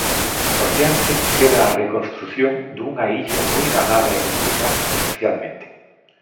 Por diante queda a reconstrución dunha illa moi danada económica e socialmente.